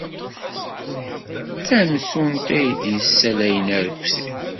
D tamtunt ay d-yessalayen arekti.